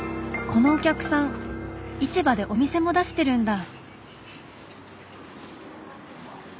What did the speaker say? このお客さん市場でお店も出してるんだ。